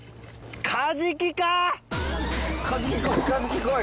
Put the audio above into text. カジキかー！